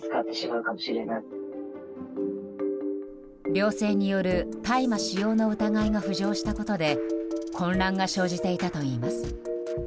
寮生による大麻使用の疑いが浮上したことで混乱が生じていたといいます。